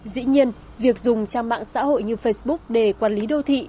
dĩ nhiên việc dùng trang mạng xã hội như facebook để quản lý đô thị